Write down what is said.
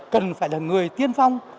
cần phải là người tiên phong